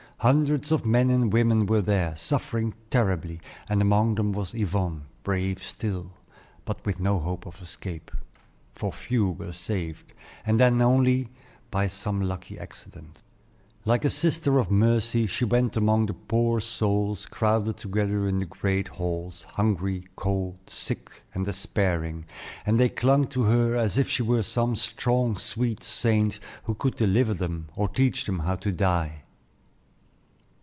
Hundreds of men and women were there, suffering terribly, and among them was Yvonne, brave still, but with no hope of escape; for few were saved, and then only by some lucky accident. Like a sister of mercy she went among the poor souls crowded together in the great halls, hungry, cold, sick, and despairing, and they clung to her as if she were some strong, sweet saint who could deliver them or teach them how to die.